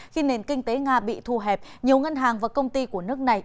khi nền kinh tế nga bị thu hẹp nhiều ngân hàng và công ty của nước này